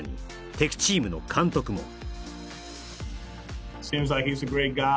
敵チームの監督もあ？